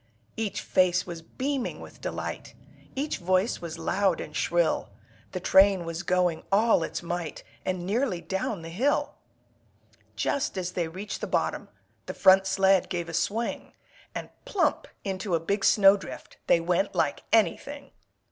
Each face was beaming with delight, Each voice was loud and shrill, The train was going all its might And nearly down the hill. Just as they reached the bottom, The front sled gave a swing, And plump into a big snowdrift They went like anything!